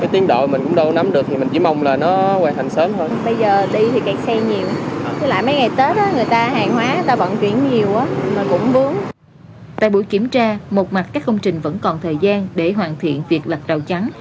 tại buổi kiểm tra một mặt các công trình vẫn còn thời gian để hoàn thiện việc lặt rào chắn